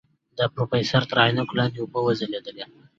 د پروفيسر تر عينکو لاندې اوبه وځلېدې.